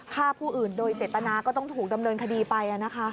ฆ่าผู้อื่นโดยเจตนาก็ต้องถูกดำเนินคดีไป